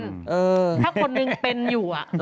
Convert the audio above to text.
ถ้าคนหนึ่งเป็นอยู่